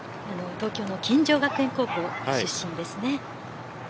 東京の金城学園高校出身です。